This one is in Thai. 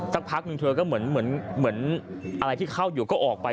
สักพักหนึ่งเธอก็เหมือนอะไรที่เข้าอยู่ก็ออกไป